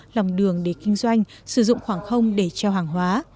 lòng đường để kinh doanh sử dụng khoảng không để treo hàng hóa